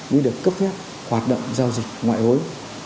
mới được cấp phép hoạt động giao dịch ngoại hối